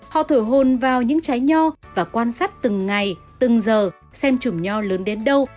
họ thổi hồn vào những trái nho và quan sát từng ngày từng giờ xem chùm nho lớn đến đâu